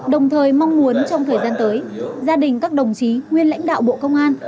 đồng thời mong muốn trong thời gian tới gia đình các đồng chí nguyên lãnh đạo bộ công an